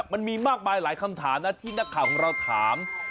มันมีมากมายหลายคำถามนะที่นักข่าวของเราถาม